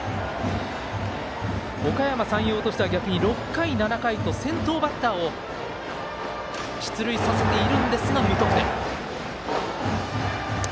おかやま山陽としては、逆に６回７回と先頭バッターを出塁させているんですが無得点。